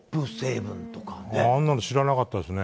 あんなの知らなかったですね。